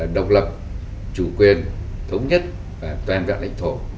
độc lập chủ quyền thống nhất và toàn vạn lãnh thổ